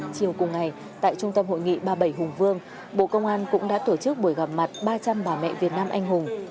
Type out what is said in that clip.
chiều cùng ngày tại trung tâm hội nghị ba mươi bảy hùng vương bộ công an cũng đã tổ chức buổi gặp mặt ba trăm linh bà mẹ việt nam anh hùng